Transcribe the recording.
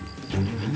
何？